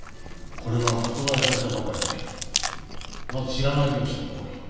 これは発売されたばかりでまだ知らない業者も多い。